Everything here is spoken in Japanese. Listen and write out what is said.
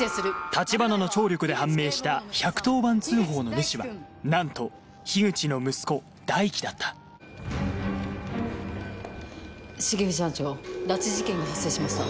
橘の聴力で判明した１１０番通報の主はなんと口の息子大樹だった重藤班長拉致事件が発生しました。